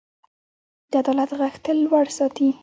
د عدالت غږ تل لوړ ساتئ.